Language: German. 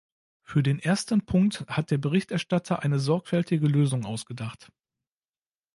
Für den ersten Punkt hat der Berichterstatter eine sorgfältige Lösung ausgedacht.